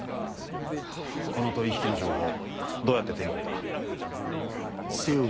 この取引の情報どうやって手に入れた？